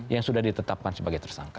yang sudah ditetapkan sebagai tersangka